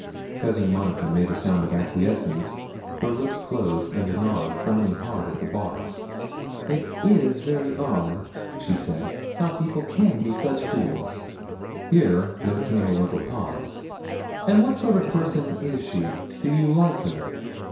Cousin Monica made a sound of acquiescence her lips closed and a nod, frowning hard at the bars. 'It is very odd!' she said; 'how people can be such fools!' Here there came a little pause. 'And what sort of person is she do you like her?'